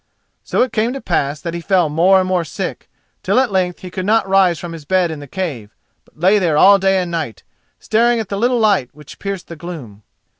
So it came to pass that he fell more and more sick, till at length he could not rise from his bed in the cave, but lay there all day and night, staring at the little light which pierced the gloom.